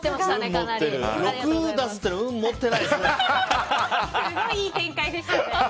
６出すっていうのはすごいいい展開でしたね。